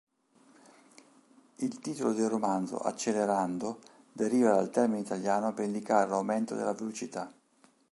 Il titolo del romanzo, "Accelerando", deriva dal termine italiano per indicare l'aumento della velocità.